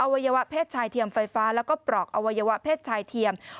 วัยวะเพศชายเทียมไฟฟ้าแล้วก็ปลอกอวัยวะเพศชายเทียม